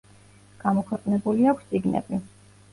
გამოქვეყნებული აქვს წიგნები.